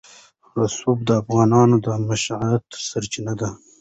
رسوب د افغانانو د معیشت سرچینه ده.